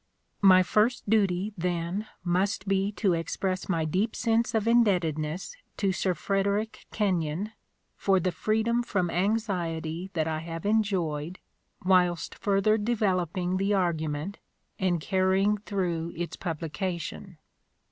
My first duty, then, must be to express my deep sense of indebtedness to Sir Frederick Kenyon for the freedom from anxiety that I have enjoyed whilst further developing the argument and carrying through its publication.